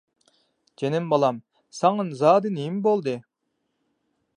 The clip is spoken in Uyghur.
جېنىم بالام، ساڭا زادى نېمە بولدى؟